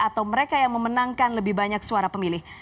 atau mereka yang memenangkan lebih banyak suara pemilih